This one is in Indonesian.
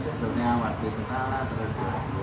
sebenarnya waktu itu salah terus dua puluh dua